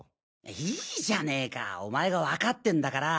いじゃねかお前がわかってんだから！